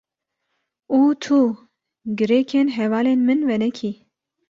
Û tu girêkên hevalên min venekî.